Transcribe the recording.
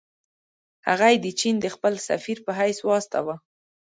هغه یې چین ته د خپل سفیر په حیث واستاوه.